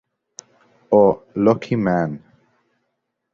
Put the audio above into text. O Lucky Man!